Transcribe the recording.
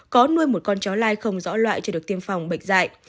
có nuôi một con chó lai không rõ loại cho được tiêm phòng bệnh dại